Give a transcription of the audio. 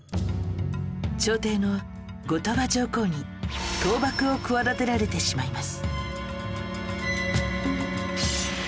朝廷の後鳥羽上皇に倒幕を企てられてしまいます